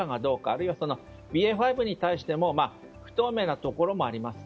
あるいはＢＡ．５に対しても不透明なところもあります。